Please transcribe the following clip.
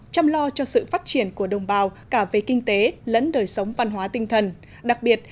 chăm lo cho sự phát triển của đồng bào cả về kinh tế lẫn đời sống văn hóa tinh thần đặc biệt